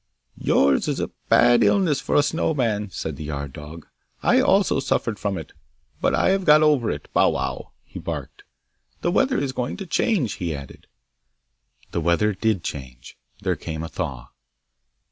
'Yours is a bad illness for a Snow man!' said the yard dog. 'I also suffered from it, but I have got over it. Bow wow!' he barked. 'The weather is going to change!' he added. The weather did change. There came a thaw.